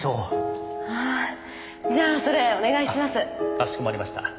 かしこまりました。